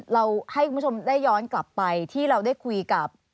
เราให้คุณผู้ชมได้ย้อนกลับไปที่เราได้คุยกับ